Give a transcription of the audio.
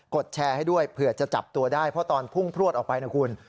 ดแชร์ให้ด้วยเผื่อจะจับตัวได้เพราะตอนพุ่งพลวดออกไปนะคุณ